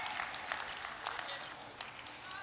สวัสดีครับ